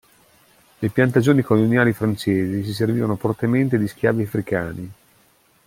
Le piantagioni coloniali francesi si servivano fortemente di schiavi africani.